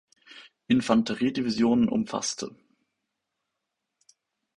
Infanteriedivisionen umfasste.